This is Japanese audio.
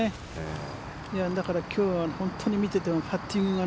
だから今日は本当に見ていてパッティングが